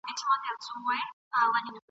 هېر به مي یادونه وي له نوم او له هستۍ سره !.